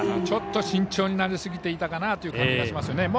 ちょっと慎重になりすぎていたかなという感じがしますね。